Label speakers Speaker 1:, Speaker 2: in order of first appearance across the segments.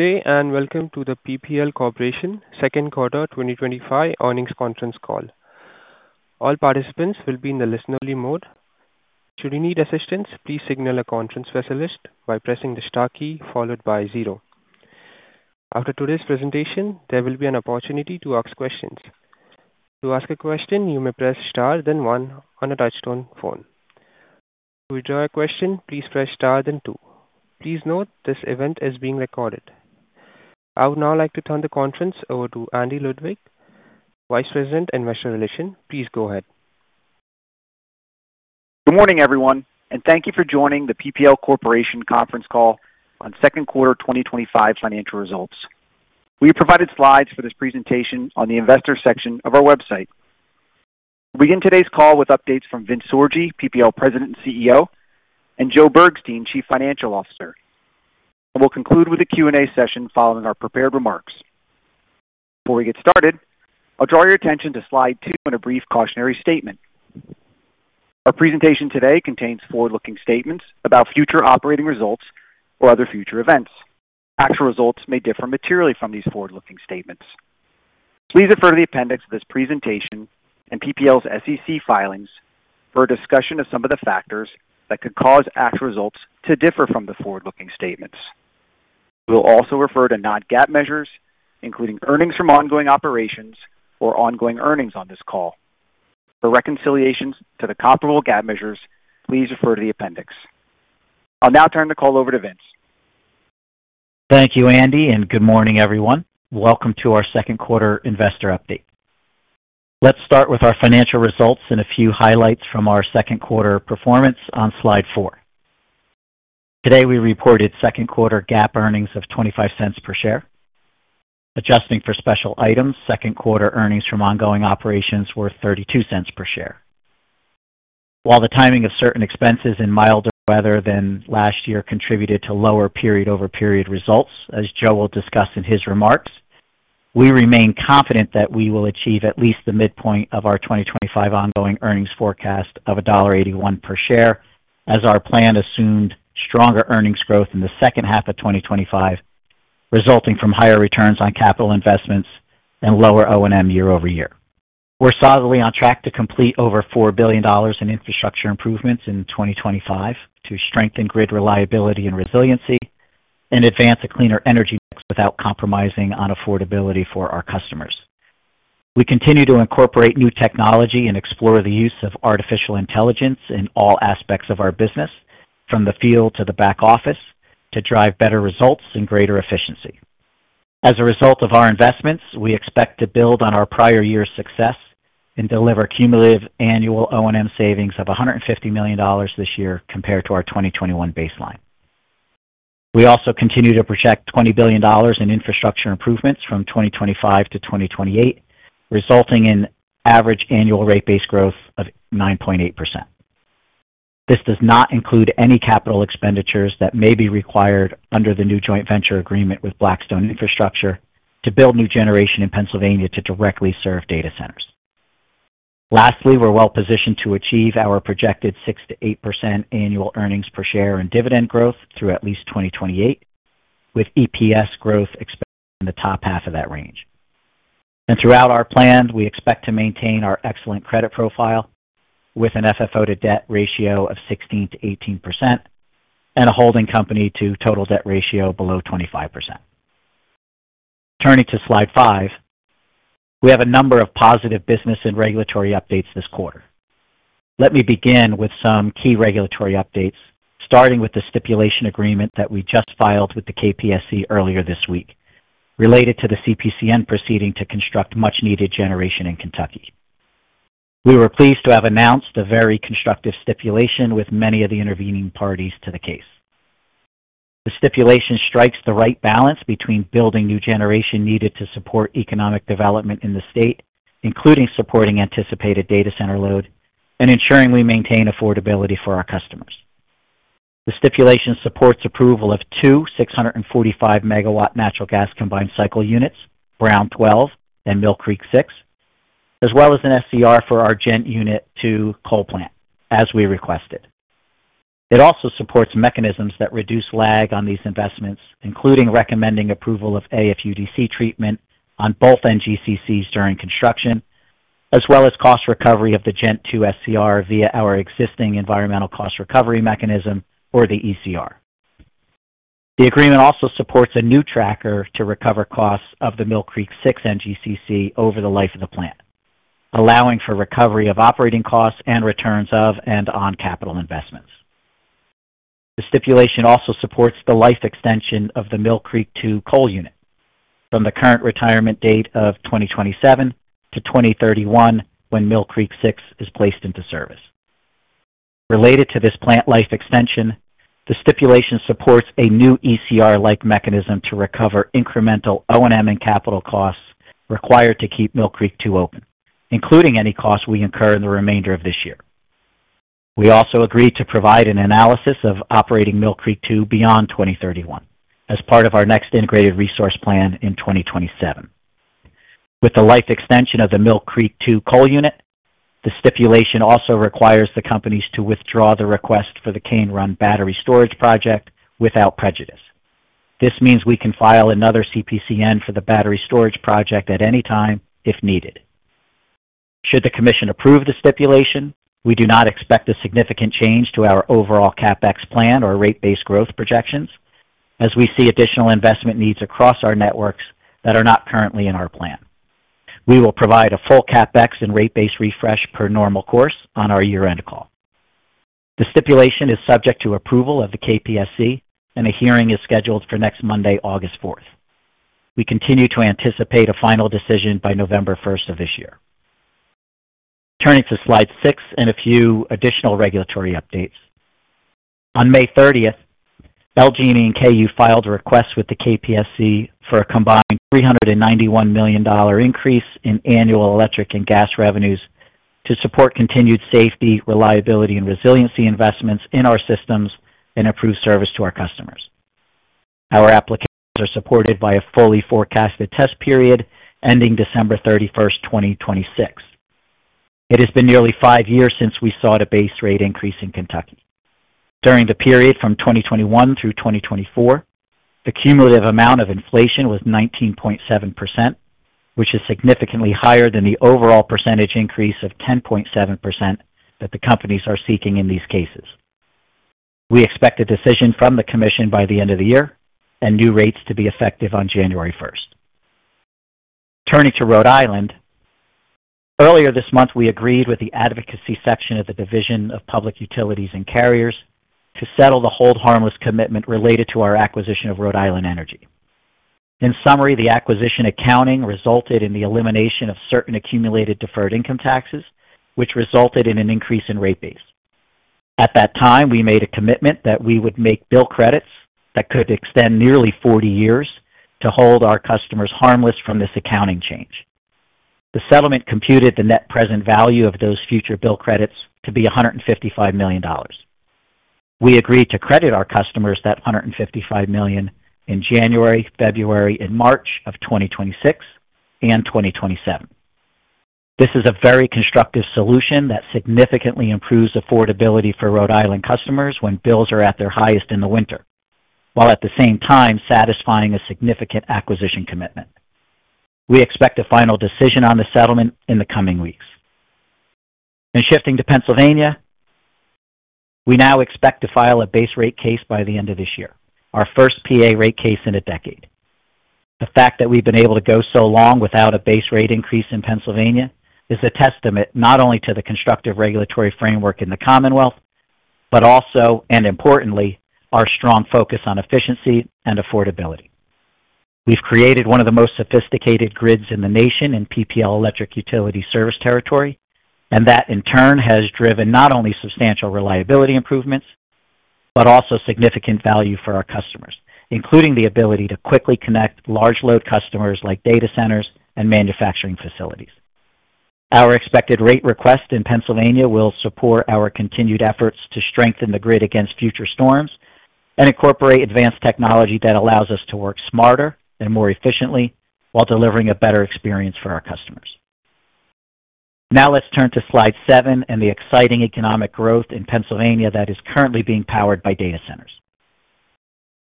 Speaker 1: Good day and welcome to the PPL Corporation Second Quarter 2025 Earnings Conference Call. All participants will be in the listen-only mode. Should you need assistance, please signal a conference specialist by pressing the star key followed by zero. After today's presentation, there will be an opportunity to ask questions. To ask a question, you may press star then one on a touch-tone phone. To withdraw a question, please press star then two. Please note this event is being recorded. I would now like to turn the conference over to Andy Ludwig, Vice President of Investor Relations. Please go ahead.
Speaker 2: Good morning, everyone, and thank you for joining the PPL Corporation Conference Call on Second Quarter 2025 Financial Results. We have provided slides for this presentation on the investor section of our website. We'll begin today's call with updates from Vince Sorgi, PPL President and CEO, and Joe Bergstein, Chief Financial Officer. We'll conclude with a Q&A session following our prepared remarks. Before we get started, I'll draw your attention to Slide Two and a brief cautionary statement. Our presentation today contains forward-looking statements about future operating results or other future events. Actual results may differ materially from these forward-looking statements. Please refer to the Appendix of this presentation and PPL's SEC filings for a discussion of some of the factors that could cause actual results to differ from the forward-looking statements. We'll also refer to non-GAAP measures, including earnings from ongoing operations or ongoing earnings on this call. For reconciliations to the comparable GAAP measures, please refer to the appendix. I'll now turn the call over to Vince.
Speaker 3: Thank you, Andy, and good morning, everyone. Welcome to our second quarter investor update. Let's start with our financial results and a few highlights from our second quarter performance on Slide Four. Today, we reported second quarter GAAP earnings of $0.25 per share. Adjusting for special items, second quarter earnings from ongoing operations were $0.32 per share. While the timing of certain expenses and milder weather than last year contributed to lower period-over-period results, as Joe will discuss in his remarks, we remain confident that we will achieve at least the midpoint of our 2025 Ongoing Earnings Forecast of $1.81 per share, as our plan assumed stronger earnings growth in the second half of 2025, resulting from higher returns on capital investments and lower O&M year over year. We're solidly on track to complete over $4 billion in infrastructure improvements in 2025 to strengthen grid reliability and resiliency and advance a cleaner energy mix without compromising on affordability for our customers. We continue to incorporate new technology and explore the use of Artificial Intelligence in all aspects of our business, from the field to the back office, to drive better results and greater efficiency. As a result of our investments, we expect to build on our prior year's success and deliver cumulative annual O&M savings of $150 million this year compared to our 2021 baseline. We also continue to project $20 billion in infrastructure improvements from 2025 to 2028, resulting in average annual Rate Base Growth of 9.8%. This does not include any capital expenditures that may be required under the new Joint Venture agreement with Blackstone Infrastructure to build new generation in Pennsylvania to directly serve data centers. Lastly, we're well positioned to achieve our projected 6% to 8% annual earnings per share and dividend growth through at least 2028, with EPS growth expected in the top half of that range. Throughout our plan, we expect to maintain our excellent credit profile with an FFO-to-Debt Ratio of 16% to 18% and a Holding Company-to-Total Debt Ratio below 25%. Turning to Slide Five, we have a number of positive business and regulatory updates this quarter. Let me begin with some key regulatory updates, starting with the stipulation agreement that we just filed with the KPSC earlier this week related to the CPCN proceeding to construct much-needed generation in Kentucky. We were pleased to have announced a very constructive stipulation with many of the intervening parties to the case. The stipulation strikes the right balance between building new generation needed to support economic development in the state, including supporting anticipated data center load, and ensuring we maintain affordability for our customers. The stipulation supports approval of two 645 megawatt natural gas combined cycle units, Brown 12 and Mill Creek 6, as well as an SER for our Ghent Unit 2 coal plant, as we requested. It also supports mechanisms that reduce lag on these investments, including recommending approval of AFUDC treatment on both NGCCs during construction, as well as cost recovery of the Ghent 2 SER via our existing environmental cost recovery mechanism or the ECR. The agreement also supports a new Tracker to recover costs of the Mill Creek 6 NGCC over the life of the plant, allowing for recovery of operating costs and returns of and on capital investments. The stipulation also supports the life extension of the Mill Creek 2 coal unit from the current retirement date of 2027 to 2031 when Mill Creek 6 is placed into service. Related to this plant life extension, the stipulation supports a new ECR-like mechanism to recover incremental O&M and capital costs required to keep Mill Creek 2 open, including any costs we incur in the remainder of this year. We also agreed to provide an analysis of operating Mill Creek 2 beyond 2031 as part of our next Integrated Resource Plan in 2027. With the life extension of the Mill Creek 2 coal unit, the stipulation also requires the companies to withdraw the request for the Cane Run Battery Storage Project without prejudice. This means we can file another CPCN for the battery storage project at any time if needed. Should the commission approve the stipulation, we do not expect a significant change to our overall CapEx plan or Rate Base Growth projections, as we see additional investment needs across our networks that are not currently in our plan. We will provide a full CapEx and rate base refresh per normal course on our year-end call. The stipulation is subject to approval of the KPSC, and a hearing is scheduled for next Monday, August 4. We continue to anticipate a final decision by November 1 of this year. Turning to Slide Six and a few additional regulatory updates. On May 30th, LG&E and KU filed a request with the Kentucky Public Service Commission (KPSC) for a combined $391 million increase in annual Electric and Gas Revenues to support continued safety, reliability, and resiliency investments in our systems and improve service to our customers. Our applications are supported by a fully forecasted test period ending December 31, 2026. It has been nearly five years since we saw the base rate increase in Kentucky. During the period from 2021 through 2024, the cumulative amount of inflation was 19.7%, which is significantly higher than the overall percentage increase of 10.7% that the companies are seeking in these cases. We expect a decision from the Commission by the end of the year and new rates to be effective on January 1. Turning to Rhode Island. Earlier this month, we agreed with the Advocacy Section of the Division of Public Utilities and Carriers to settle the Hold Harmless Commitment related to our acquisition of Rhode Island Energy. In summary, the acquisition accounting resulted in the elimination of certain accumulated deferred income taxes, which resulted in an increase in Rate Base. At that time, we made a commitment that we would make bill credits that could extend nearly 40 years to hold our customers harmless from this accounting change. The settlement computed the net present value of those future Bill Credits to be $155 million. We agreed to credit our customers that $155 million in January, February, and March of 2026 and 2027. This is a very constructive solution that significantly improves affordability for Rhode Island customers when bills are at their highest in the winter, while at the same time satisfying a significant acquisition commitment. We expect a final decision on the settlement in the coming weeks. Shifting to Pennsylvania. We now expect to file a Base Rate Case by the end of this year, our first PA Rate Case in a decade. The fact that we've been able to go so long without a base rate increase in Pennsylvania is a testament not only to the constructive regulatory framework in the Commonwealth, but also, and importantly, our strong focus on efficiency and affordability. We've created one of the most sophisticated grids in the nation in PPL Electric Utility Service Territory, and that, in turn, has driven not only substantial reliability improvements but also significant value for our customers, including the ability to quickly connect large load customers like data centers and manufacturing facilities. Our expected rate request in Pennsylvania will support our continued efforts to strengthen the grid against future storms and incorporate advanced technology that allows us to work smarter and more efficiently while delivering a better experience for our customers. Now let's turn to Slide Seven and the exciting economic growth in Pennsylvania that is currently being powered by data centers.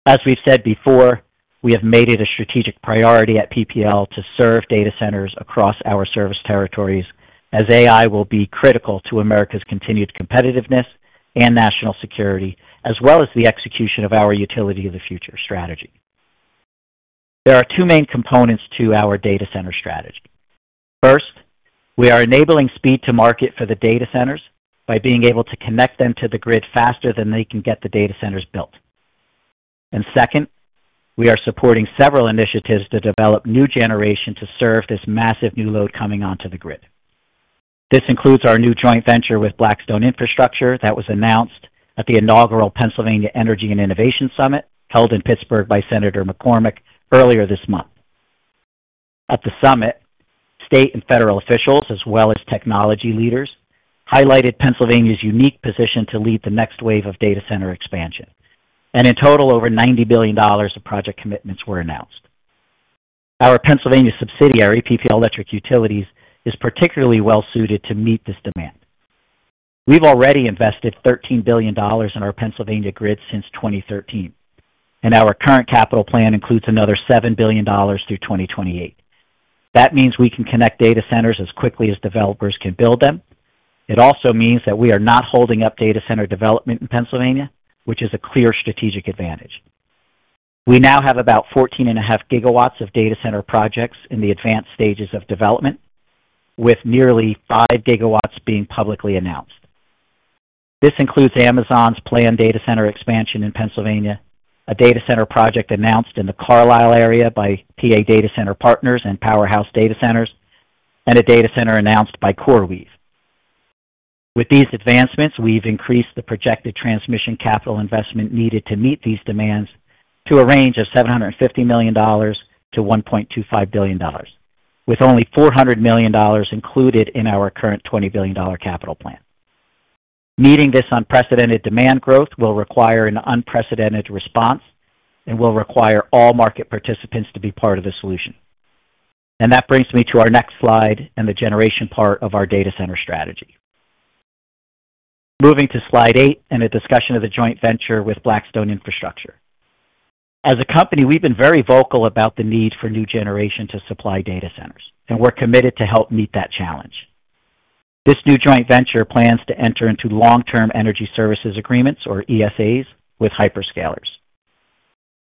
Speaker 3: As we've said before, we have made it a strategic priority at PPL to serve data centers across our service territories as AI will be critical to America's continued competitiveness and national security, as well as the execution of our Utility of the Future Strategy. There are two main components to our data center strategy. First, we are enabling speed to market for the data centers by being able to connect them to the grid faster than they can get the data centers built. Second, we are supporting several initiatives to develop new generation to serve this massive new load coming onto the grid. This includes our new Joint Venture with Blackstone Infrastructure that was announced at the inaugural Pennsylvania Energy and Innovation Summit held in Pittsburgh by Senator McCormick earlier this month. At the summit, state and federal officials, as well as technology leaders, highlighted Pennsylvania's unique position to lead the next wave of data center expansion. In total, over $90 billion of Project Commitments were announced. Our Pennsylvania subsidiary, PPL Electric Utilities, is particularly well suited to meet this demand. We've already invested $13 billion in our Pennsylvania grid since 2013, and our current Capital Plan includes another $7 billion through 2028. That means we can connect data centers as quickly as developers can build them. It also means that we are not holding up Data Center Development in Pennsylvania, which is a clear strategic advantage. We now have about 14.5 GW of data center projects in the advanced stages of development, with nearly 5 GW being publicly announced. This includes Amazon's planned data center expansion in Pennsylvania, a data center project announced in the Carlisle area by PA Data Center Partners and Powerhouse Data Centers, and a data center announced by CoreWeave. With these advancements, we've increased the projected Transmission Capital Investment needed to meet these demands to a range of $750 million to $1.25 billion, with only $400 million included in our current $20 billion Capital Plan. Meeting this unprecedented demand growth will require an unprecedented response and will require all market participants to be part of the solution. That brings me to our next slide and the generation part of our data center strategy. Moving to Slide Eight and a discussion of the Joint Venture with Blackstone Infrastructure. As a company, we've been very vocal about the need for new generation to supply data centers, and we're committed to help meet that challenge. This new Joint Venture plans to enter into long-term Energy Services Agreements, or ESAs, with hyperscalers.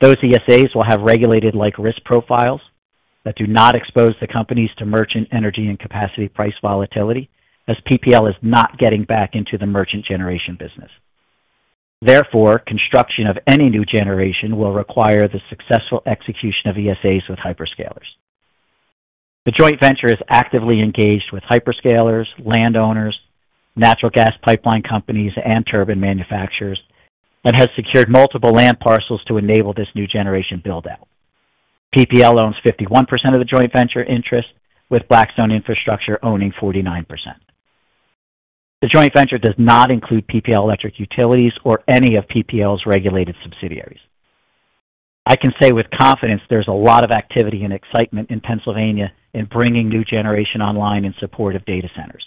Speaker 3: Those ESAs will have regulated-like risk profiles that do not expose the companies to Merchant Energy and Capacity Price Volatility, as PPL is not getting back into the merchant generation business. Therefore, construction of any new generation will require the successful execution of ESAs with hyperscalers. The Joint Venture is actively engaged with hyperscalers, landowners, Natural Gas Pipeline Companies, and turbine manufacturers, and has secured multiple land parcels to enable this new generation buildout. PPL owns 51% of the Joint Venture interest, with Blackstone Infrastructure owning 49%. The Joint Venture does not include PPL Electric Utilities or any of PPL's regulated subsidiaries. I can say with confidence there's a lot of activity and excitement in Pennsylvania in bringing new generation online in support of data centers.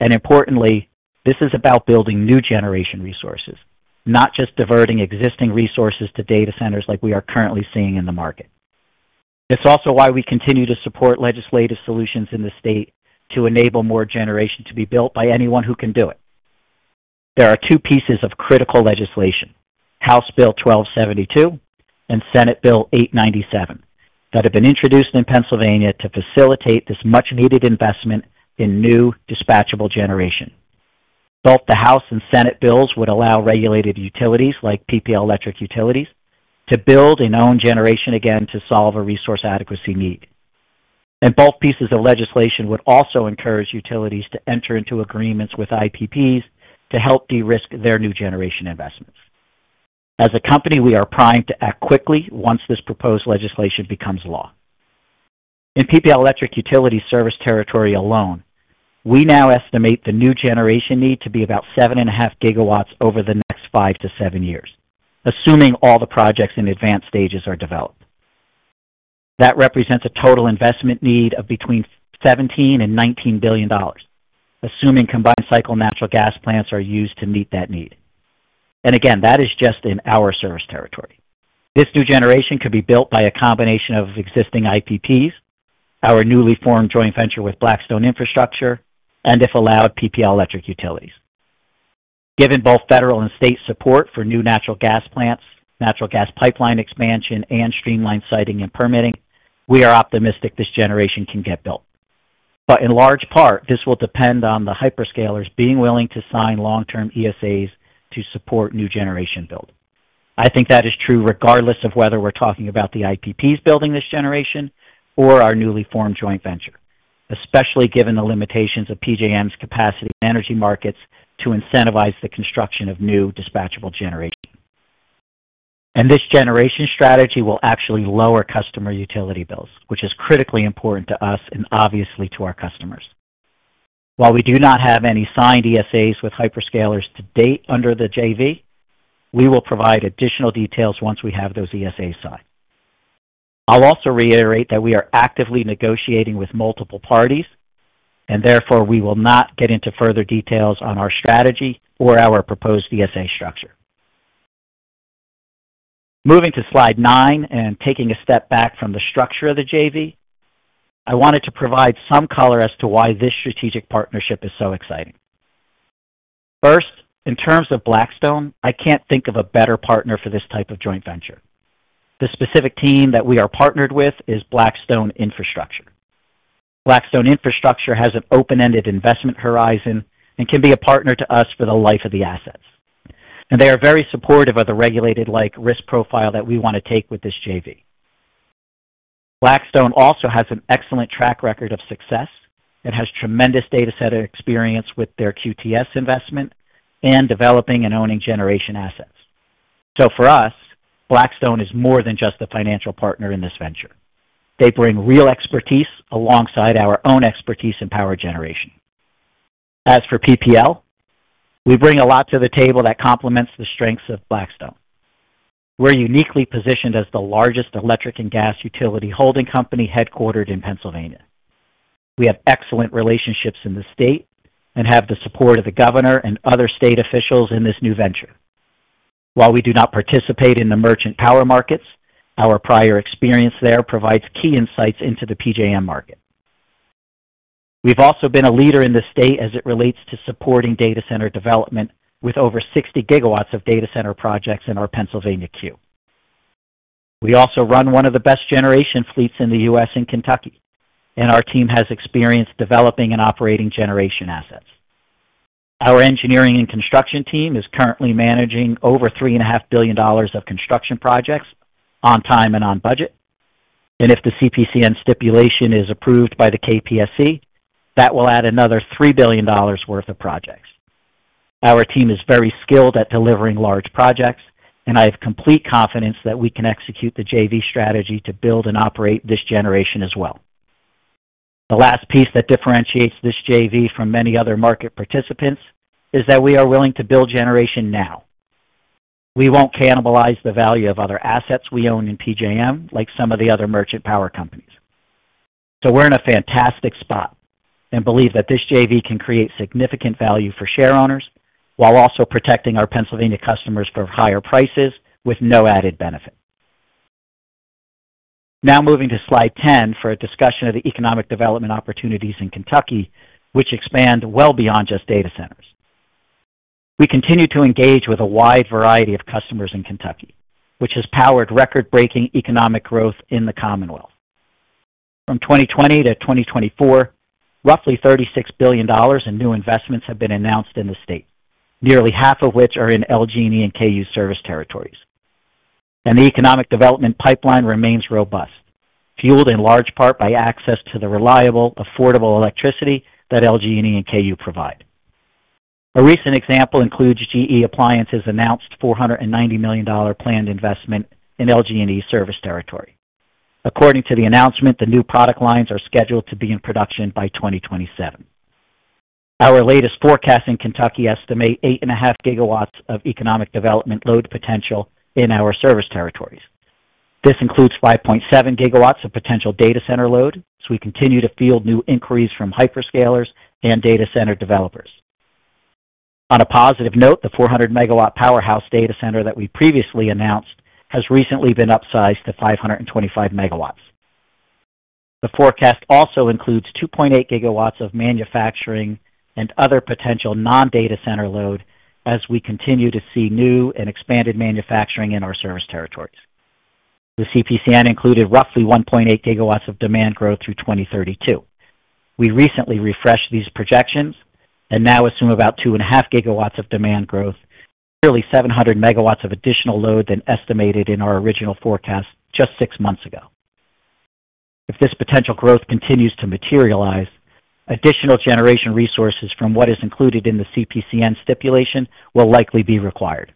Speaker 3: Importantly, this is about building new generation resources, not just diverting existing resources to data centers like we are currently seeing in the market. It's also why we continue to support legislative solutions in the state to enable more generation to be built by anyone who can do it. There are two pieces of critical legislation, House Bill 1272 and Senate Bill 897, that have been introduced in Pennsylvania to facilitate this much-needed investment in new Dispatchable Generation. Both the House and Senate bills would allow regulated utilities like PPL Electric Utilities to build and own generation again to solve a resource adequacy need. Both pieces of legislation would also encourage utilities to enter into agreements with IPPs to help de-risk their new generation investments. As a company, we are primed to act quickly once this proposed legislation becomes law. In PPL Electric Utility Service Territory alone, we now estimate the new generation need to be about 7.5 GW over the next five to seven years, assuming all the projects in advanced stages are developed. That represents a total investment need of between $17 billion and $19 billion, assuming Combined Cycle Natural Gas Plants are used to meet that need. That is just in our service territory. This new generation could be built by a combination of existing IPPs, our newly formed Joint Venture with Blackstone Infrastructure, and, if allowed, PPL Electric Utilities. Given both federal and state support for new natural gas plants, Natural Gas Pipeline Expansion, and streamlined siting and permitting, we are optimistic this generation can get built. In large part, this will depend on the hyperscalers being willing to sign long-term ESAs to support new generation build. I think that is true regardless of whether we're talking about the IPPs building this generation or our newly formed Joint Venture, especially given the limitations of PJM's Capacity and Energy Markets to incentivize the construction of new Dispatchable Generation. This generation strategy will actually lower customer utility bills, which is critically important to us and obviously to our customers. While we do not have any signed ESAs with hyperscalers to date under the JV, we will provide additional details once we have those ESAs signed. I'll also reiterate that we are actively negotiating with multiple parties, and therefore we will not get into further details on our strategy or our proposed ESA structure. Moving to Slide Nine and taking a step back from the structure of the JV, I wanted to provide some color as to why this strategic partnership is so exciting. First, in terms of Blackstone, I can't think of a better partner for this type of Joint Venture. The specific team that we are partnered with is Blackstone Infrastructure. Blackstone Infrastructure has an open-ended investment horizon and can be a partner to us for the life of the assets. They are very supportive of the regulated-like risk profile that we want to take with this JV. Blackstone also has an excellent track record of success and has tremendous data center experience with their QTS investment and developing and owning generation assets. For us, Blackstone is more than just a financial partner in this venture. They bring real expertise alongside our own expertise in power generation. As for PPL, we bring a lot to the table that complements the strengths of Blackstone. We're uniquely positioned as the largest electric and gas utility holding company headquartered in Pennsylvania. We have excellent relationships in the state and have the support of the governor and other state officials in this New Venture. While we do not participate in the merchant power markets, our prior experience there provides key insights into the PJM Market. We've also been a leader in the state as it relates to supporting data center development with over 60 GW of data center projects in our Pennsylvania Queue. We also run one of the best Generation Fleets in the U.S. and Kentucky, and our team has experience developing and operating generation assets. Our engineering and construction team is currently managing over $3.5 billion of construction projects on time and on budget. If the CPCN Stipulation is approved by the KPSC, that will add another $3 billion worth of projects. Our team is very skilled at delivering large projects, and I have complete confidence that we can execute the JV strategy to build and operate this generation as well. The last piece that differentiates this JV from many other market participants is that we are willing to build generation now. We won't cannibalize the value of other assets we own in PJM like some of the other merchant power companies. We're in a fantastic spot and believe that this JV can create significant value for share owners while also protecting our Pennsylvania customers from higher prices with no added benefit. Now moving to Slide 10 for a discussion of the economic development opportunities in Kentucky, which expand well beyond just data centers. We continue to engage with a wide variety of customers in Kentucky, which has powered record-breaking economic growth in the Commonwealth. From 2020 to 2024, roughly $36 billion in new investments have been announced in the state, nearly half of which are in LG&E and KU Service Territories. The Economic Development Pipeline remains robust, fueled in large part by access to the reliable, affordable electricity that LG&E and KU provide. A recent example includes GE Appliances' announced $490 million planned investment in LG&E Service Territory. According to the announcement, the new product lines are scheduled to be in production by 2027. Our latest forecast in Kentucky estimates 8.5 GW of economic development load potential in our service territories. This includes 5.7 GW of potential data center load, so we continue to field new inquiries from hyperscalers and data center developers. On a positive note, the 400-megawatt Powerhouse Data Center that we previously announced has recently been upsized to 525 MW. The forecast also includes 2.8 GW of Manufacturing and Other Potential Non-Data Center Load as we continue to see new and expanded manufacturing in our service territories. The CPCN included roughly 1.8 GW of demand growth through 2032. We recently refreshed these projections and now assume about 2.5 GW of demand growth, nearly 700 MW of additional load than estimated in our original forecast just six months ago. If this potential growth continues to materialize, additional generation resources from what is included in the CPCN stipulation will likely be required.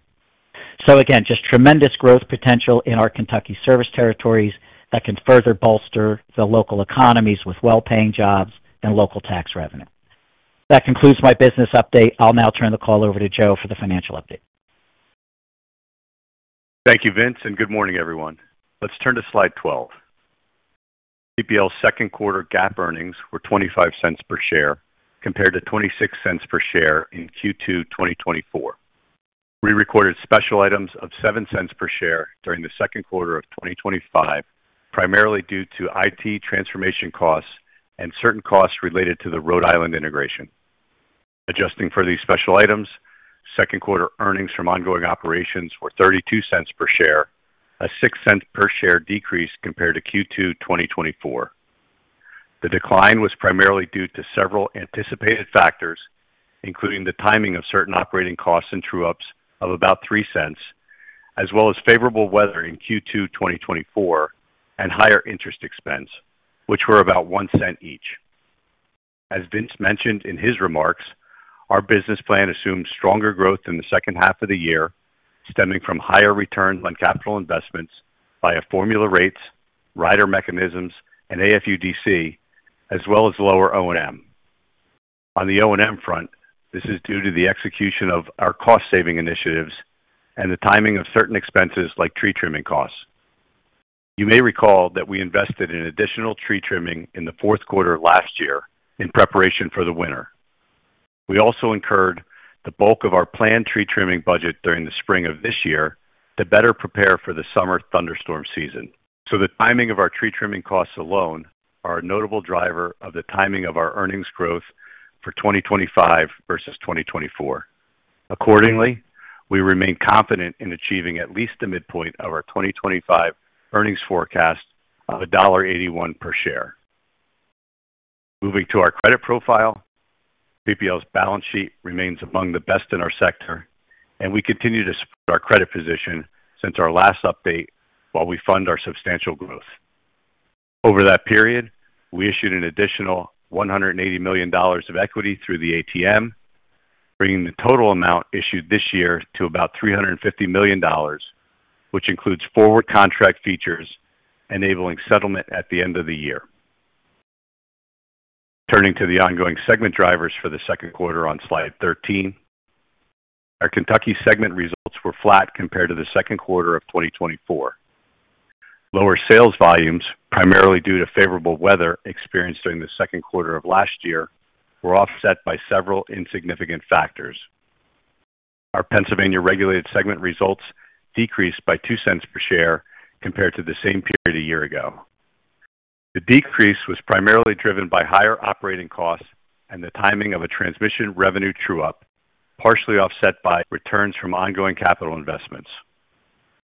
Speaker 3: Just tremendous growth potential in our Kentucky Service Territories that can further bolster the local economies with well-paying jobs and local tax revenue. That concludes my business update. I'll now turn the call over to Joe for the financial update.
Speaker 4: Thank you, Vince, and good morning, everyone. Let's turn to slide 12. PPL's second quarter GAAP earnings were $0.25 per share compared to $0.26 per share in Q2 2024. We recorded special items of $0.07 per share during the second quarter of 2025, primarily due to IT transformation costs and certain costs related to the Rhode Island integration. Adjusting for these special items, second quarter earnings from ongoing operations were $0.32 per share, a $0.06 per share decrease compared to Q2 2024. The decline was primarily due to several anticipated factors, including the timing of certain operating costs and true-ups of about $0.03, as well as favorable weather in Q2 2024 and higher interest expense, which were about $0.01 each. As Vince mentioned in his remarks, our business plan assumes stronger growth in the second half of the year, stemming from higher returns on capital investments via formula rates, Rider mechanisms, and AFUDC, as well as lower O&M. On the O&M front, this is due to the execution of our cost-saving initiatives and the timing of certain expenses like tree trimming costs. You may recall that we invested in additional tree trimming in the fourth quarter last year in preparation for the winter. We also incurred the bulk of our planned tree trimming budget during the spring of this year to better prepare for the summer thunderstorm season. The timing of our tree trimming costs alone is a notable driver of the timing of our earnings growth for 2025 versus 2024. Accordingly, we remain confident in achieving at least the midpoint of our 2025 earnings forecast of $1.81 per share. Moving to our credit profile, PPL's balance sheet remains among the best in our sector, and we continue to support our credit position since our last update while we fund our substantial growth. Over that period, we issued an additional $180 million of equity through the ATM, bringing the total amount issued this year to about $350 million, which includes forward contract features enabling settlement at the end of the year. Turning to the ongoing segment drivers for the second quarter on slide 13, our Kentucky segment results were flat compared to the second quarter of 2024. Lower sales volumes, primarily due to favorable weather experienced during the second quarter of last year, were offset by several insignificant factors. Our Pennsylvania regulated segment results decreased by $0.02 per share compared to the same period a year ago. The decrease was primarily driven by higher operating costs and the timing of a transmission revenue true-up, partially offset by returns from ongoing capital investments.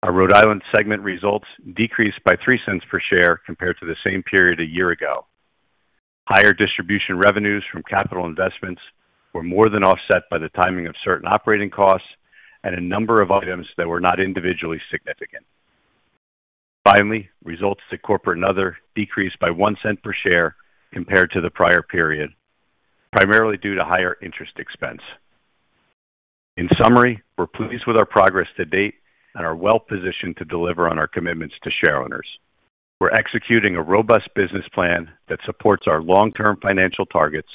Speaker 4: Our Rhode Island segment results decreased by $0.03 per share compared to the same period a year ago. Higher distribution revenues from capital investments were more than offset by the timing of certain operating costs and a number of items that were not individually significant. Finally, results to Corporate and Other decreased by $0.01 per share compared to the prior period, primarily due to higher interest expense. In summary, we're pleased with our progress to date and are well-positioned to deliver on our commitments to shareowners. We're executing a robust business plan that supports our long-term financial targets,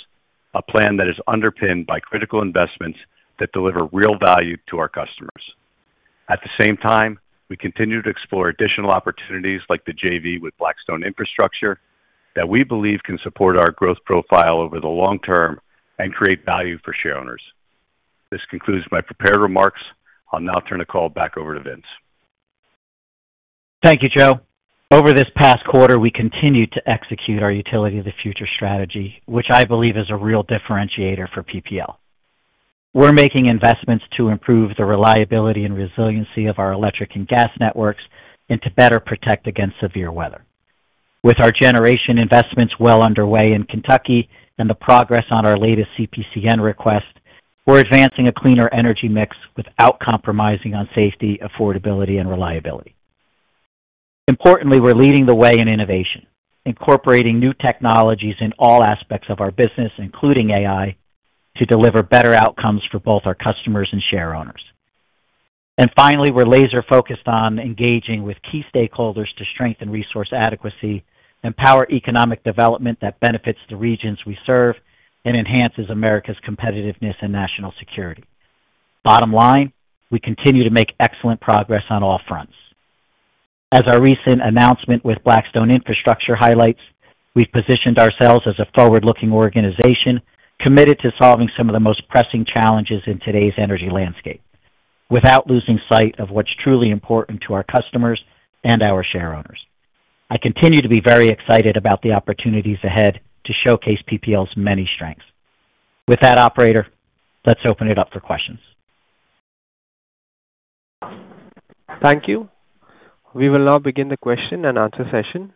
Speaker 4: a plan that is underpinned by critical investments that deliver real value to our customers. At the same time, we continue to explore additional opportunities like the JV with Blackstone Infrastructure that we believe can support our growth profile over the long-term and create value for share owners. This concludes my prepared remarks. I'll now turn the call back over to Vince.
Speaker 3: Thank you, Joe. Over this past quarter, we continued to execute our utility of the future strategy, which I believe is a real differentiator for PPL. We're making investments to improve the reliability and resiliency of our electric and gas networks and to better protect against severe weather. With our generation investments well underway in Kentucky and the progress on our latest CPCN request, we're advancing a cleaner energy mix without compromising on safety, affordability, and reliability. Importantly, we're leading the way in innovation, incorporating new technologies in all aspects of our business, including AI, to deliver better outcomes for both our customers and shareowners. Finally, we're laser-focused on engaging with key stakeholders to strengthen resource adequacy and power economic development that benefits the regions we serve and enhances America's competitiveness and national security. Bottom line, we continue to make excellent progress on all fronts. As our recent announcement with Blackstone Infrastructure highlights, we've positioned ourselves as a forward-looking organization committed to solving some of the most pressing challenges in today's energy landscape without losing sight of what's truly important to our customers and our shareowners. I continue to be very excited about the opportunities ahead to showcase PPL's many strengths. With that, operator, let's open it up for questions.
Speaker 1: Thank you. We will now begin the question and answer session.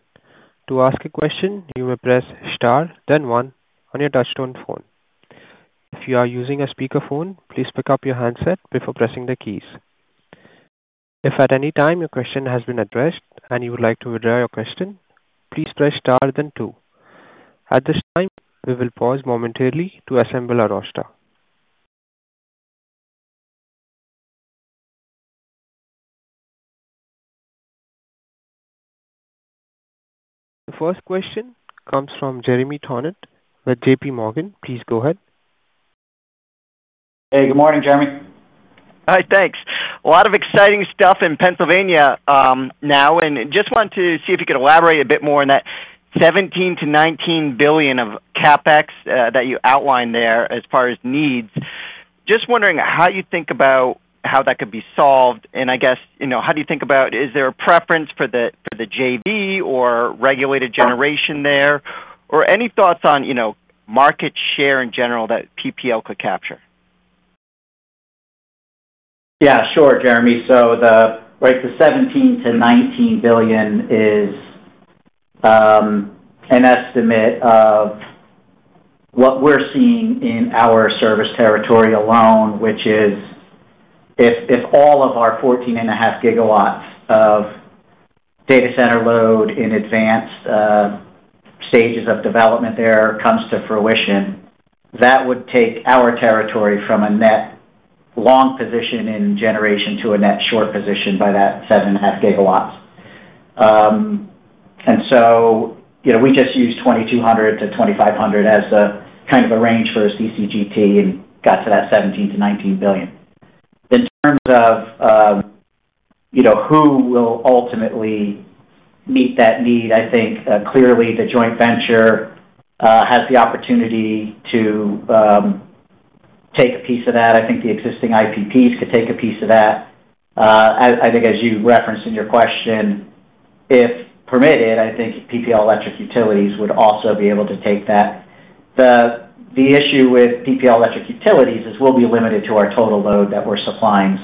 Speaker 1: To ask a question, you may press Star, then 1 on your touchstone phone. If you are using a speakerphone, please pick up your handset before pressing the keys. If at any time your question has been addressed and you would like to redirect your question, please press Star, then 2. At this time, we will pause momentarily to assemble our roster. The first question comes from Jeremy Tonet with JPMorgan. Please go ahead.
Speaker 3: Hey, good morning, Jeremy.
Speaker 5: All right, thanks. A lot of exciting stuff in Pennsylvania now, and just wanted to see if you could elaborate a bit more on that $17-$19 billion of CapEx that you outlined there as far as needs. Just wondering how you think about how that could be solved, and I guess how do you think about is there a preference for the JV or regulated generation there or any thoughts on market share in general that PPL could capture?
Speaker 3: Yeah, sure, Jeremy. The $17-$19 billion is an estimate of what we're seeing in our service territory alone, which is. If all of our 14.5 GW of data center load in advanced stages of development there comes to fruition, that would take our territory from a net long position in generation to a net short position by that 7.5 GW. We just used 2,200 to 2,500 as kind of a range for a CCGT and got to that $17 billion-$19 billion. In terms of who will ultimately meet that need, I think clearly the Joint Venture has the opportunity to take a piece of that. I think the existing IPPs could take a piece of that. I think as you referenced in your question, if permitted, I think PPL Electric Utilities would also be able to take that. The issue with PPL Electric Utilities is we'll be limited to our total load that we're supplying.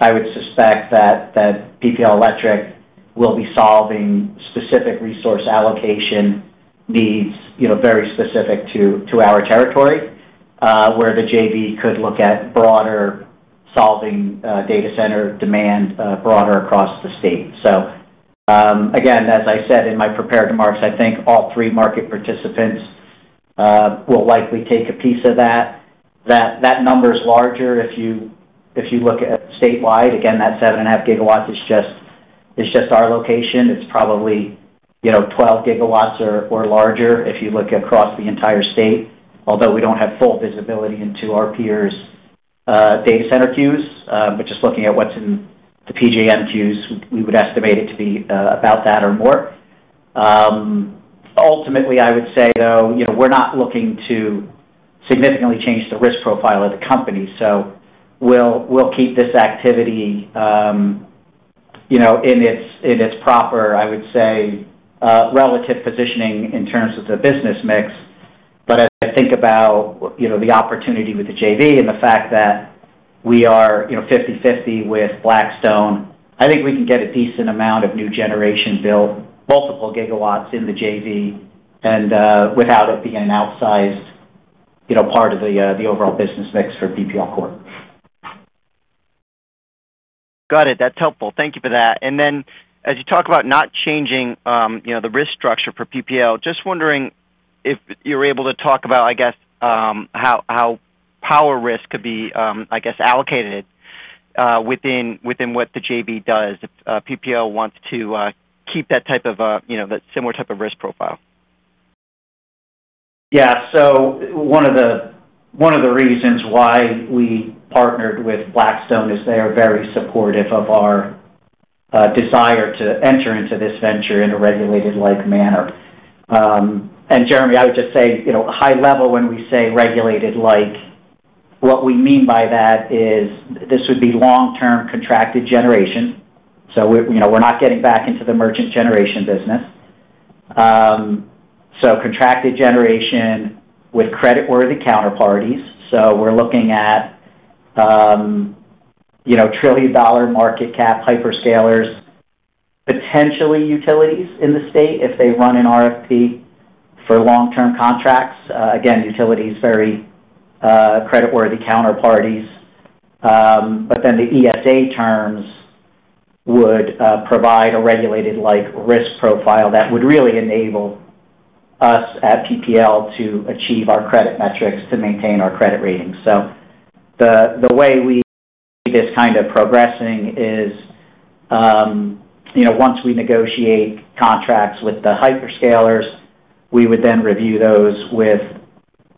Speaker 3: I would suspect that PPL Electric will be solving specific resource allocation needs very specific to our territory, where the JV could look at broader solving data center demand broader across the state. Again, as I said in my prepared remarks, I think all three market participants will likely take a piece of that. That number is larger if you look at statewide. That 7.5 GW is just our location. It's probably 12 GW or larger if you look across the entire state, although we don't have full visibility into our peers' data center queues, but just looking at what's in the PJM queues, we would estimate it to be about that or more. Ultimately, I would say, though, we're not looking to significantly change the risk profile of the company. We'll keep this activity in its proper, I would say, relative positioning in terms of the business mix. As I think about the opportunity with the JV and the fact that we are 50/50 with Blackstone, I think we can get a decent amount of new generation built, multiple GW in the JV, and without it being an outsized part of the overall business mix for PPL Corporation.
Speaker 5: Got it. That's helpful. Thank you for that. As you talk about not changing the risk structure for PPL, just wondering if you're able to talk about, I guess, how power risk could be, I guess, allocated within what the JV does if PPL wants to keep that type of a similar type of risk profile.
Speaker 3: Yeah. One of the reasons why we partnered with Blackstone is they are very supportive of our desire to enter into this venture in a regulated-like manner. Jeremy, I would just say high level when we say regulated-like, what we mean by that is this would be long-term contracted generation. We're not getting back into the merchant generation business. Contracted generation with creditworthy counterparties. We're looking at trillion-dollar market cap hyperscalers, potentially utilities in the state if they run an RFP for long-term contracts. Utilities are very creditworthy counterparties. The ESA terms would provide a regulated-like risk profile that would really enable us at PPL to achieve our credit metrics to maintain our credit ratings. The way we see this progressing is once we negotiate contracts with the hyperscalers, we would then review those with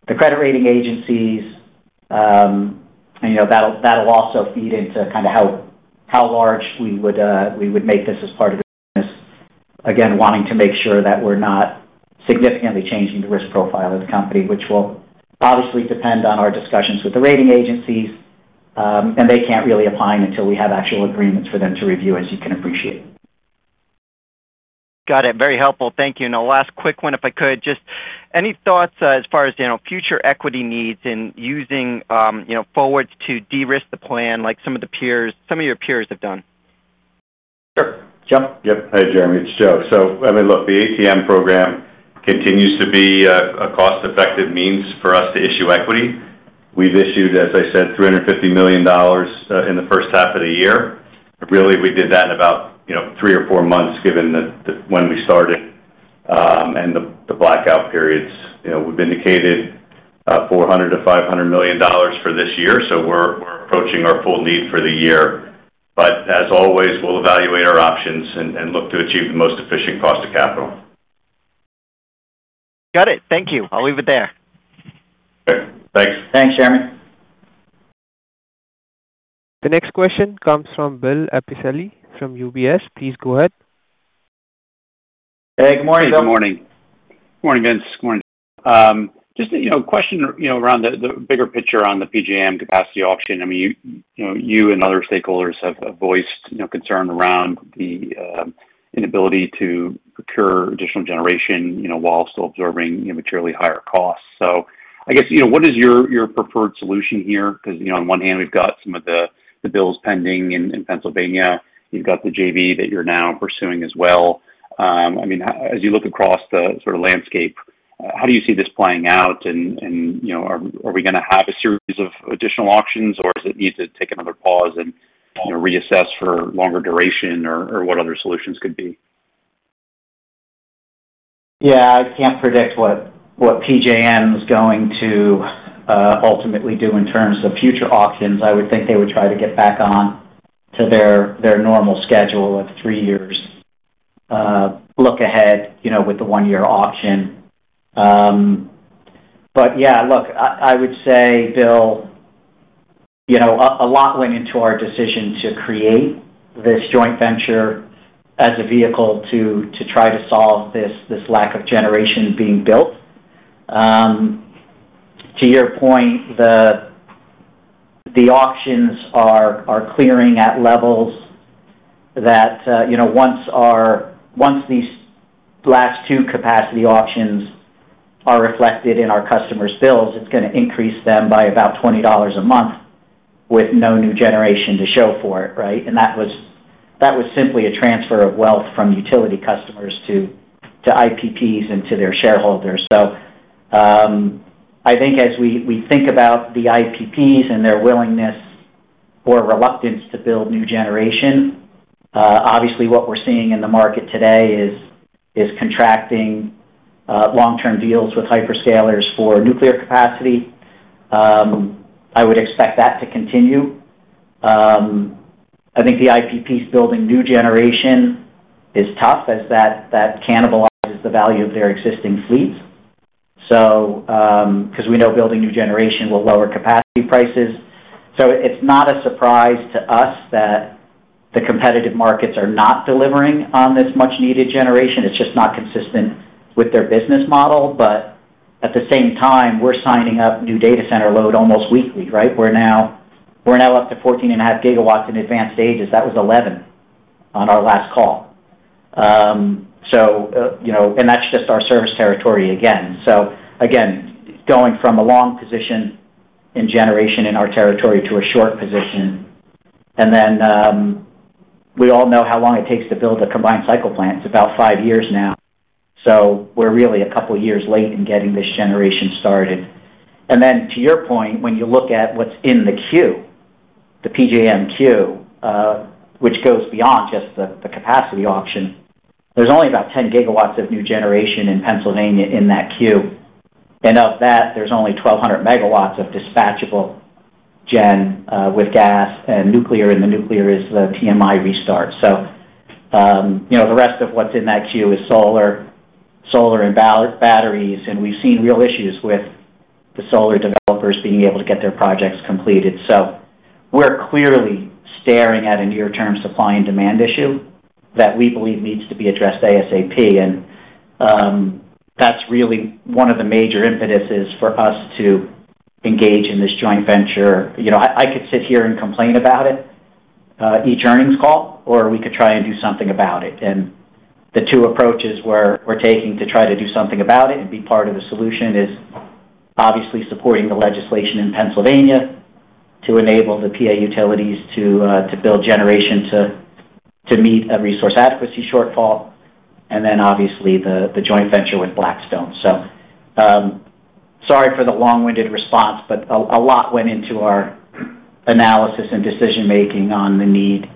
Speaker 3: the credit rating agencies. That will also feed into how large we would make this as part of the business, wanting to make sure that we're not significantly changing the risk profile of the company, which will obviously depend on our discussions with the rating agencies. They can't really opine until we have actual agreements for them to review, as you can appreciate.
Speaker 5: Got it. Very helpful. Thank you. A last quick one, if I could, just any thoughts as far as future equity needs and using forwards to de-risk the plan like some of your peers have done?
Speaker 4: Sure. Yep. Hey, Jeremy. It's Joe. The ATM program continues to be a cost-effective means for us to issue equity. We've issued, as I said, $350 million in the first half of the year. We did that in about three or four months given when we started and the blackout periods. We've indicated $400 to $500 million for this year, so we're approaching our full need for the year. As always, we'll evaluate our options and look to achieve the most efficient cost of capital.
Speaker 5: Got it. Thank you. I'll leave it there.
Speaker 3: Okay. Thanks. Thanks, Jeremy.
Speaker 1: The next question comes from Bill Apicelli from UBS. Please go ahead.
Speaker 3: Hey, good morning.
Speaker 6: Good morning. Good morning, Vince. Good morning. Just a question around the bigger picture on the PJM capacity auction. You and other stakeholders have voiced concern around the inability to procure additional generation while still absorbing materially higher costs. What is your preferred solution here? On one hand, we've got some of the bills pending in Pennsylvania. You've got the JV that you're now pursuing as well. As you look across the sort of landscape, how do you see this playing out? Are we going to have a series of additional auctions, or does it need to take another pause and reassess for longer duration, or what other solutions could be?
Speaker 3: I can't predict what PJM is going to ultimately do in terms of future auctions. I would think they would try to get back on to their normal schedule of three years look ahead with the one-year auction. I would say, Bill, a lot went into our decision to create this Joint Venture as a vehicle to try to solve this lack of generation being built. To your point, the auctions are clearing at levels that, once these last two capacity auctions are reflected in our customers' bills, it's going to increase them by about $20 a month with no new generation to show for it, right? That was simply a transfer of wealth from utility customers to IPPs and to their shareholders. I think as we think about the IPPs and their willingness or reluctance to build new generation, obviously, what we're seeing in the market today is contracting long-term deals with hyperscalers for nuclear capacity. I would expect that to continue. I think the IPPs building new generation is tough as that cannibalizes the value of their existing fleets because we know building new generation will lower capacity prices. It's not a surprise to us that the competitive markets are not delivering on this much-needed generation. It's just not consistent with their business model. At the same time, we're signing up new data center load almost weekly, right? We're now up to 14.5 GW in advanced stages. That was 11 on our last call, and that's just our service territory again. Going from a long position in generation in our territory to a short position. We all know how long it takes to build a combined cycle plant. It's about five years now. We're really a couple of years late in getting this generation started. To your point, when you look at what's in the queue, the PJM queue, which goes beyond just the capacity auction, there's only about 10 GW of new generation in Pennsylvania in that queue. Of that, there's only 1,200 MW of dispatchable generation with gas and nuclear, and the nuclear is the PMI restart. The rest of what's in that queue is solar and batteries. We've seen real issues with the solar developers being able to get their projects completed. We're clearly staring at a near-term supply and demand issue that we believe needs to be addressed ASAP. That's really one of the major impetuses for us to engage in this Joint Venture. I could sit here and complain about it each earnings call, or we could try and do something about it. The two approaches we're taking to try to do something about it and be part of the solution is obviously supporting the legislation in Pennsylvania to enable the PA utilities to build generation to meet a resource adequacy shortfall, and then obviously the Joint Venture with Blackstone. Sorry for the long-winded response, but a lot went into our analysis and decision-making on the need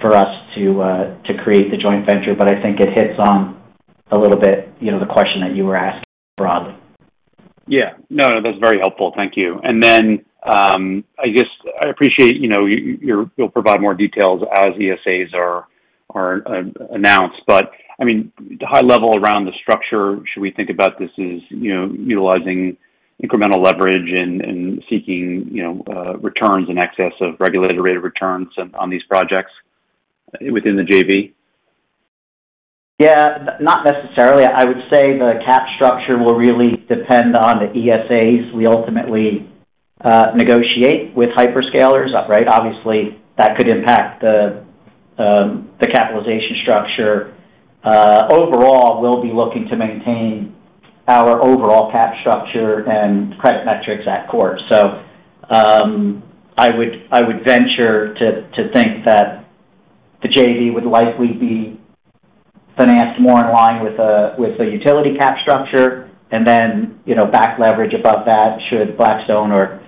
Speaker 3: for us to create the Joint Venture. I think it hits on a little bit the question that you were asking broadly.
Speaker 6: Yeah. No, no. That's very helpful. Thank you. I appreciate you'll provide more details as ESAs are announced. High level around the structure, should we think about this as utilizing incremental leverage and seeking returns in excess of regulated rate of returns on these projects within the JV?
Speaker 3: Yeah. Not necessarily. I would say the cap structure will really depend on the ESAs we ultimately negotiate with hyperscalers, right? Obviously, that could impact the capitalization structure. Overall, we'll be looking to maintain our overall cap structure and credit metrics at core. I would venture to think that the JV would likely be financed more in line with the utility cap structure, and then back leverage above that should Blackstone or,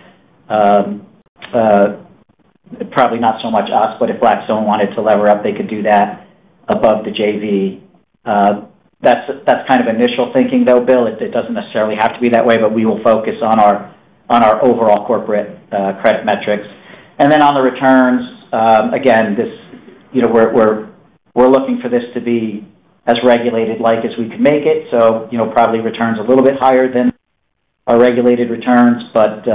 Speaker 3: probably not so much us, but if Blackstone wanted to lever up, they could do that above the JV. That's kind of initial thinking, though, Bill. It doesn't necessarily have to be that way, but we will focus on our overall corporate credit metrics. On the returns, again, we're looking for this to be as regulated-like as we can make it. Probably returns a little bit higher than our regulated returns, but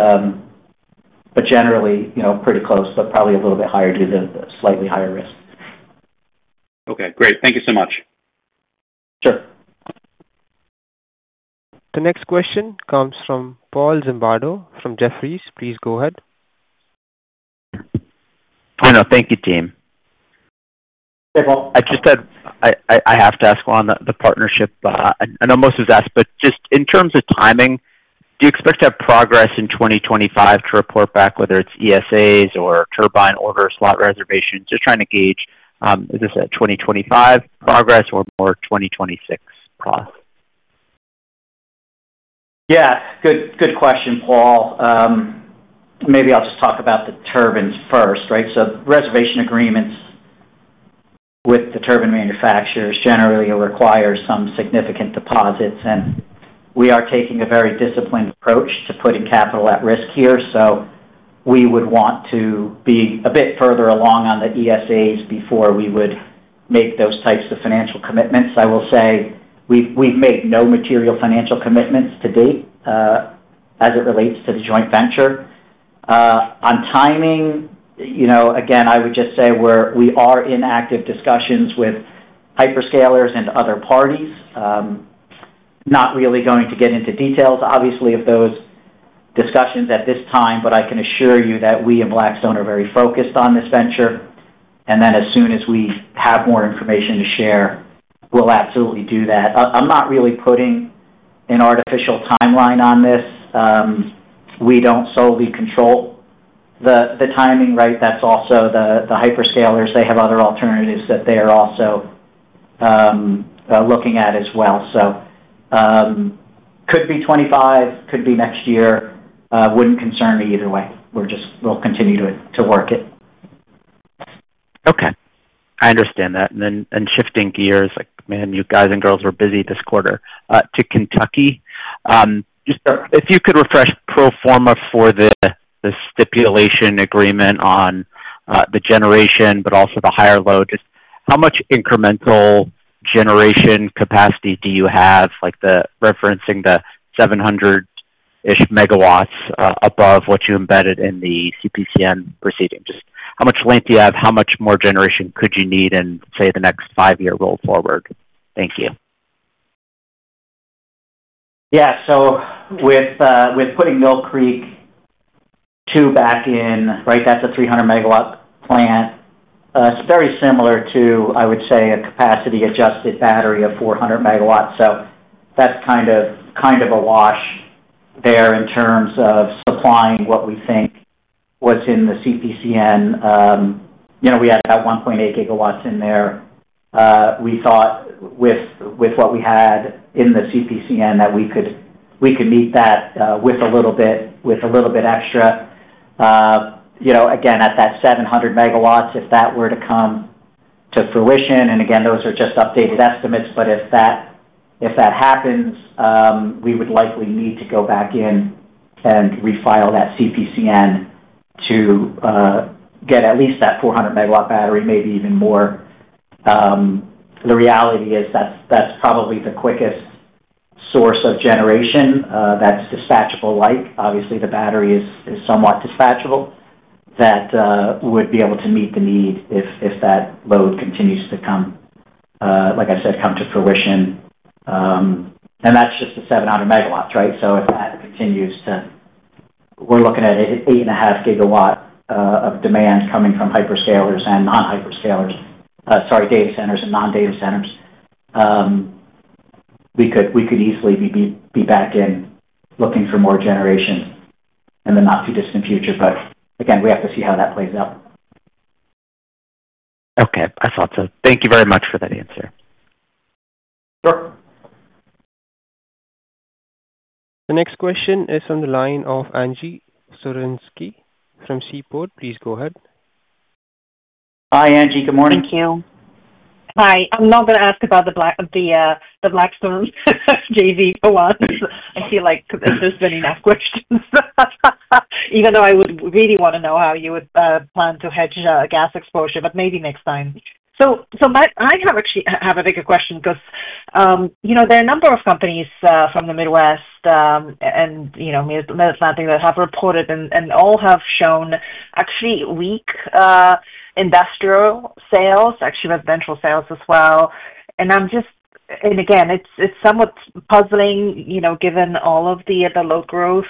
Speaker 3: generally pretty close, but probably a little bit higher due to the slightly higher risk.
Speaker 6: Okay. Great. Thank you so much.
Speaker 3: Sure.
Speaker 1: The next question comes from Paul Zimbardo from Jefferies. Please go ahead.
Speaker 7: Hi, though. Thank you, team.
Speaker 3: Hey, Paul.
Speaker 7: I just had—I have to ask on the partnership. I know most of this is asked, but just in terms of timing, do you expect to have progress in 2025 to report back, whether it's ESAs or turbine orders, slot reservations? Just trying to gauge, is this a 2025 progress or more 2026 process?
Speaker 3: Good question, Paul. Maybe I'll just talk about the turbines first, right? Reservation agreements with the turbine manufacturers generally require some significant deposits. We are taking a very disciplined approach to putting capital at risk here. We would want to be a bit further along on the ESAs before we would make those types of financial commitments. I'll say we've made no material financial commitments to date. As it relates to the Joint Venture, on timing, I would just say we are in active discussions with hyperscalers and other parties. Not really going to get into details, obviously, of those discussions at this time, but I can assure you that we and Blackstone are very focused on this venture. As soon as we have more information to share, we'll absolutely do that. I'm not really putting an artificial timeline on this. We don't solely control the timing, right? That's also the hyperscalers. They have other alternatives that they are also looking at as well. Could be 2025, could be next year. Wouldn't concern me either way. We'll continue to work it.
Speaker 7: Okay. I understand that. Shifting gears, you guys and girls were busy this quarter, to Kentucky. If you could refresh pro forma for the stipulation agreement on the generation, but also the higher load, just how much incremental generation capacity do you have? Referencing the 700-ish MW above what you embedded in the CPCN proceeding. Just how much length do you have? How much more generation could you need in, say, the next five-year roll forward? Thank you.
Speaker 3: Yeah. With putting Mill Creek Two back in, right, that's a 300-megawatt plant. It's very similar to, I would say, a capacity-adjusted battery of 400 MW. That's kind of a wash there in terms of supplying what we think was in the CPCN. We had about 1.8 GW in there. We thought with what we had in the CPCN that we could meet that with a little bit extra. Again, at that 700 MW, if that were to come to fruition, and again, those are just updated estimates, but if that happens, we would likely need to go back in and refile that CPCN to get at least that 400-megawatt battery, maybe even more. The reality is that's probably the quickest source of generation that's dispatchable-like. Obviously, the battery is somewhat dispatchable. That would be able to meet the need if that load continues to come, like I said, come to fruition. That's just the 700 MW, right? If that continues to, we're looking at 8.5 GW of demand coming from hyperscalers and non-hyperscalers, sorry, data centers and non-data centers. We could easily be back in looking for more generation in the not-too-distant future. Again, we have to see how that plays out.
Speaker 7: Thank you very much for that answer. Sure.
Speaker 1: The next question is on the line of Angie Storozynski from Seaport. Please go ahead.
Speaker 3: Hi, Angie. Good morning.
Speaker 8: Thank you. Hi. I'm not going to ask about the Blackstone JV for once. I feel like there's been enough questions. Even though I would really want to know how you would plan to hedge gas exposure, but maybe next time. I have a bigger question because there are a number of companies from the Midwest and Mid-Atlantic that have reported and all have shown actually weak industrial sales, actually residential sales as well. Again, it's somewhat puzzling given all of the low-growth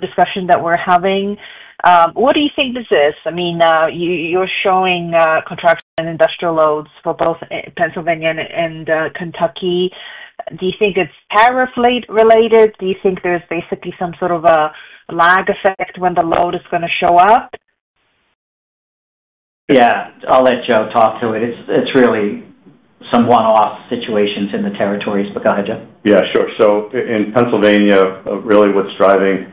Speaker 8: discussion that we're having. What do you think this is? I mean, you're showing contraction in industrial loads for both Pennsylvania and Kentucky. Do you think it's tariff-related? Do you think there's basically some sort of a lag effect when the load is going to show up?
Speaker 3: I'll let Joe talk to it. It's really some one-off situations in the territories, but go ahead, Joe.
Speaker 4: Yeah. Sure. In Pennsylvania, really what's driving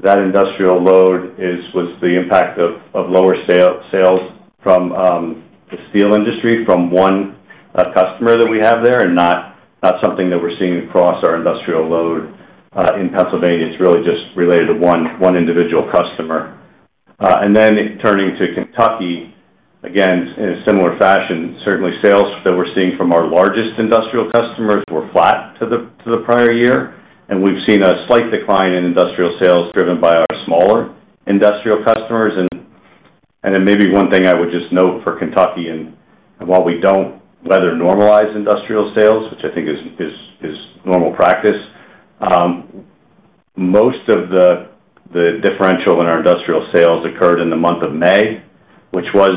Speaker 4: that industrial load was the impact of lower sales from the steel industry from one customer that we have there and not something that we're seeing across our industrial load in Pennsylvania. It's really just related to one individual customer. Turning to Kentucky, again, in a similar fashion, certainly sales that we're seeing from our largest industrial customers were flat to the prior year. We've seen a slight decline in industrial sales driven by our smaller industrial customers. Maybe one thing I would just note for Kentucky, and while we don't weather normalize industrial sales, which I think is normal practice, most of the differential in our industrial sales occurred in the month of May, which was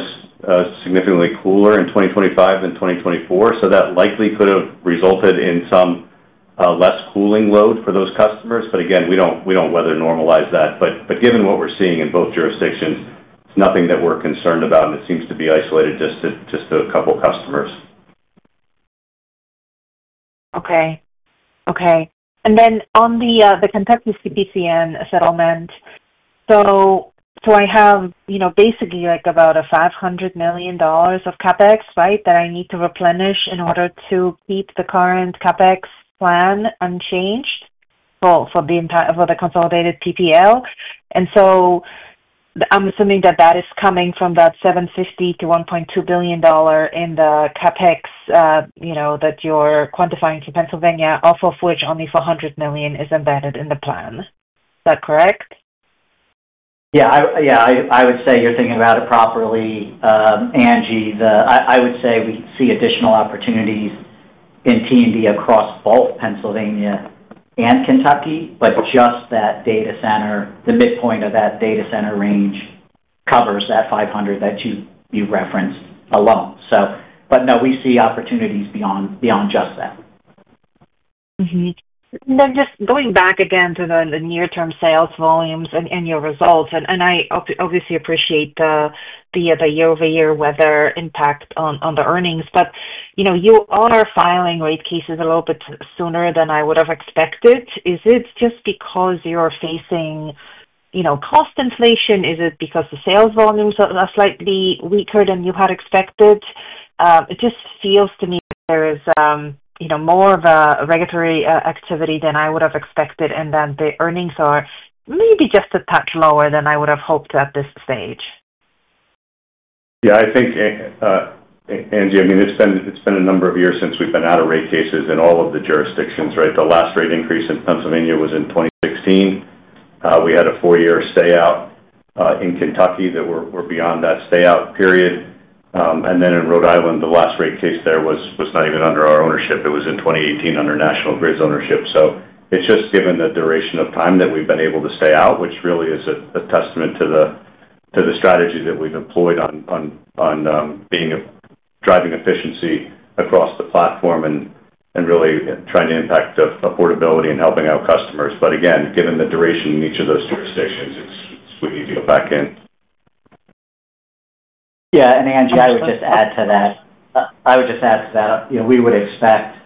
Speaker 4: significantly cooler in 2025 than 2024. That likely could have resulted in some less cooling load for those customers. Again, we don't weather normalize that. Given what we're seeing in both jurisdictions, it's nothing that we're concerned about, and it seems to be isolated just to a couple of customers.
Speaker 8: Okay. And then on the Kentucky CPCN settlement, I have basically about $500 million of CapEx that I need to replenish in order to keep the current CapEx plan unchanged for the consolidated PPL. I'm assuming that is coming from that $750 million to $1.2 billion in the CapEx that you're quantifying to Pennsylvania, off of which only $400 million is embedded in the plan. Is that correct?
Speaker 3: Yeah. I would say you're thinking about it properly. Angie, I would say we see additional opportunities in T&D across both Pennsylvania and Kentucky, but just that data center, the midpoint of that data center range covers that $500 million that you referenced alone. We see opportunities beyond just that.
Speaker 8: Going back again to the near-term sales volumes and your results, I obviously appreciate the year-over-year weather impact on the earnings, but you are filing rate cases a little bit sooner than I would have expected. Is it just because you're facing cost inflation? Is it because the sales volumes are slightly weaker than you had expected? It just feels to me there is more of a regulatory activity than I would have expected, and the earnings are maybe just a touch lower than I would have hoped at this stage.
Speaker 4: Yeah. I think, Angie, it's been a number of years since we've been out of rate cases in all of the jurisdictions, right? The last rate increase in Pennsylvania was in 2016. We had a four-year stay-out. In Kentucky, we're beyond that stay-out period. In Rhode Island, the last rate case there was not even under our ownership. It was in 2018 under National Grid's ownership. Given the duration of time that we've been able to stay out, which really is a testament to the strategy that we've employed on driving efficiency across the platform and really trying to impact affordability and helping out customers, given the duration in each of those jurisdictions, we need to go back in.
Speaker 3: Angie, I would just add to that we would expect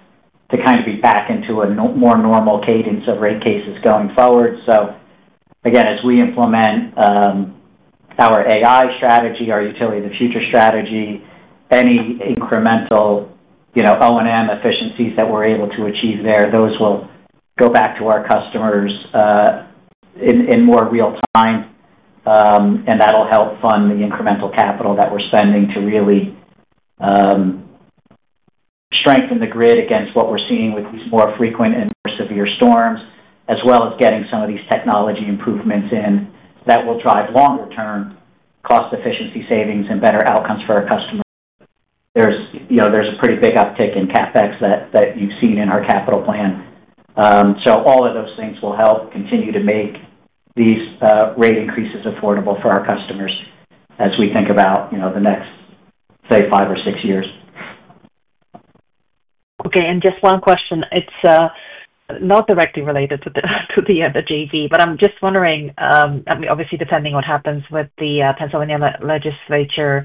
Speaker 3: to be back into a more normal cadence of rate cases going forward. As we implement our AI strategy, our Utility of the Future strategy, any incremental O&M efficiencies that we're able to achieve there, those will go back to our customers. In more real time. That'll help fund the incremental capital that we're spending to really strengthen the grid against what we're seeing with these more frequent and more severe storms, as well as getting some of these technology improvements in that will drive longer-term cost-efficiency savings and better outcomes for our customers. There's a pretty big uptick in CapEx that you've seen in our capital plan. All of those things will help continue to make these rate increases affordable for our customers as we think about the next, say, five or six years.
Speaker 8: Okay. Just one question. It's not directly related to the JV, but I'm just wondering, obviously, depending on what happens with the Pennsylvania legislature,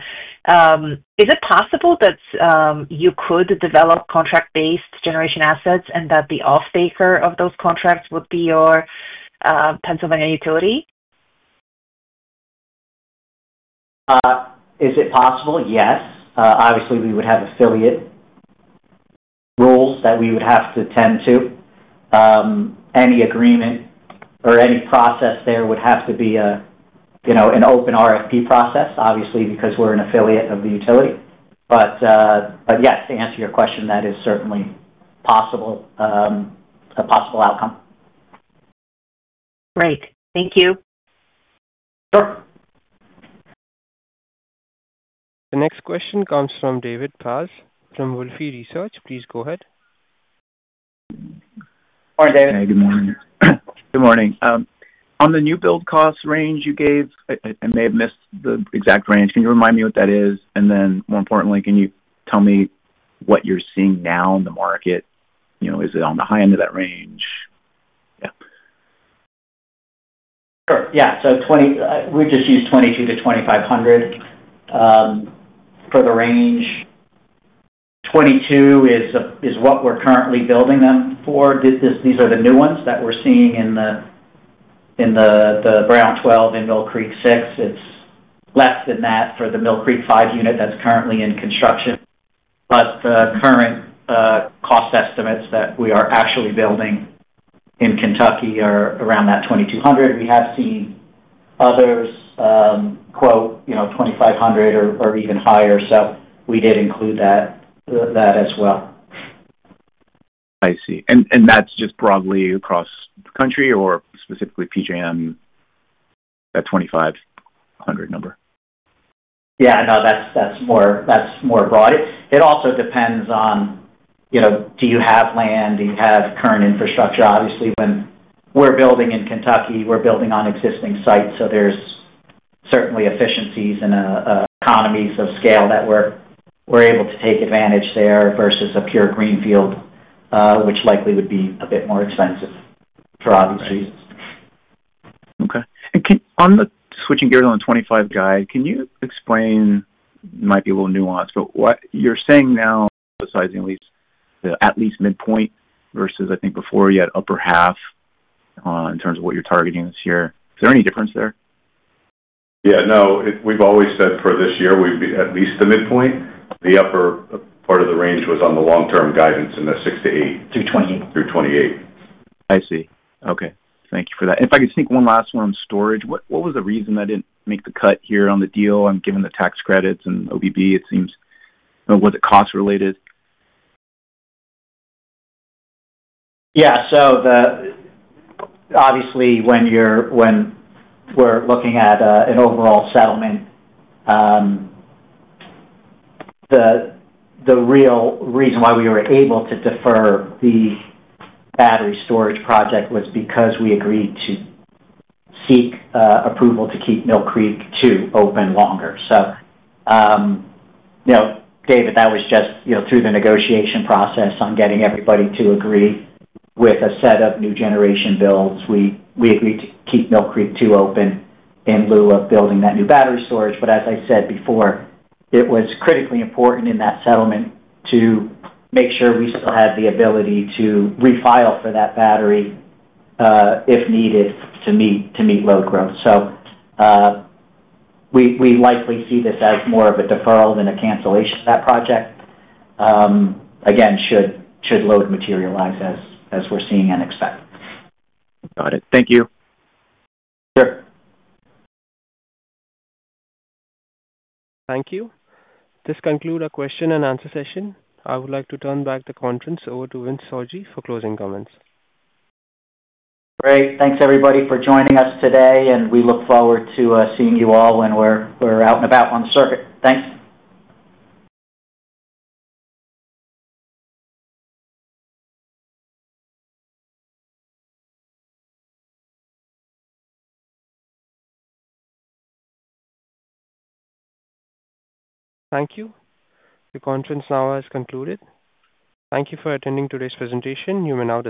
Speaker 8: is it possible that you could develop contract-based generation assets and that the off-taker of those contracts would be your Pennsylvania utility?
Speaker 3: Is it possible? Yes. Obviously, we would have affiliate rules that we would have to tend to. Any agreement or any process there would have to be an open RFP process, obviously, because we're an affiliate of the utility. Yes, to answer your question, that is certainly a possible outcome.
Speaker 8: Great. Thank you. Sure.
Speaker 1: The next question comes from David Paas from Wolfe Research. Please go ahead.
Speaker 3: Morning, David. Hey. Good morning. Good morning. On the new build cost range you gave, I may have missed the exact range. Can you remind me what that is? More importantly, can you tell me what you're seeing now in the market? Is it on the high end of that range? Yeah. Sure. We just use $2,200 to $2,500 for the range. $2,200 is what we're currently building them for. These are the new ones that we're seeing in the Brown 12 and Mill Creek 6. It's less than that for the Mill Creek 5 unit that's currently in construction. The current cost estimates that we are actually building in Kentucky are around that $2,200. We have seen others quote $2,500 or even higher. We did include that as well. I see. That's just broadly across the country or specifically PJM, that $2,500 number? Yeah. No, that's more broad. It also depends on do you have land, do you have current infrastructure. Obviously, when we're building in Kentucky, we're building on existing sites. There's certainly efficiencies and economies of scale that we're able to take advantage of there versus a pure greenfield, which likely would be a bit more expensive for obvious reasons. Okay. On the switching gears on the 2025 guide, can you explain—it might be a little nuanced—but what you're saying now emphasizing at least midpoint versus, I think, before you had upper half. In terms of what you're targeting this year. Is there any difference there?
Speaker 4: Yeah. No, we've always said for this year, we'd be at least the midpoint. The upper part of the range was on the long-term guidance in the 6% to 8% through 2028. Through 2028. I see. Okay. Thank you for that. If I could sneak one last one on storage, what was the reason that didn't make the cut here on the deal? I'm given the tax credits and O&M. It seems—was it cost-related?
Speaker 3: Yeah. Obviously, when we're looking at an overall settlement, the real reason why we were able to defer the battery storage project was because we agreed to seek approval to keep Mill Creek 2 open longer. David, that was just through the negotiation process on getting everybody to agree with a set of new generation builds. We agreed to keep Mill Creek 2 open in lieu of building that new battery storage. As I said before, it was critically important in that settlement to make sure we still had the ability to refile for that battery if needed to meet load growth. We likely see this as more of a deferral than a cancellation of that project. Again, should load materialize as we're seeing and expect. Got it. Thank you. Sure.
Speaker 1: Thank you. This concludes our Question-and-Answer Session. I would like to turn back the conference over to Vince Sorgi for closing comments.
Speaker 3: Great. Thanks, everybody, for joining us today. We look forward to seeing you all when we're out and about on the circuit. Thanks.
Speaker 1: Thank you. The conference now has concluded. Thank you for attending today's presentation. You may now.